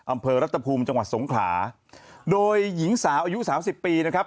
อำเภอรัฐภูมิจังหวัดสงขลาโดยหญิงสาวอายุสามสิบปีนะครับ